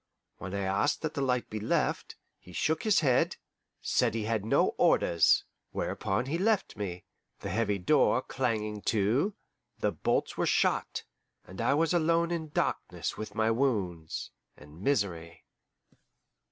When I asked that a light be left, he shook his head, said he had no orders. Whereupon he left me, the heavy door clanging to, the bolts were shot, and I was alone in darkness with my wounds and misery.